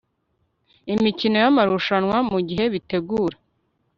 imikino yamarushanwa mugihe bitegura